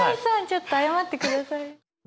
ちょっと謝ってください。